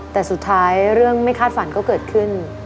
แต่สุดท้ายเรื่องไม่คาดฝันก็เกิดขึ้น